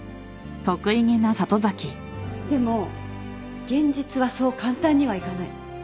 でも現実はそう簡単にはいかない。